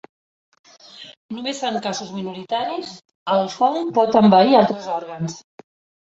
Només en casos minoritaris el fong pot envair altres òrgans.